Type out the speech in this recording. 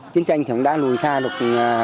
chiến tranh thì đã lùi xa được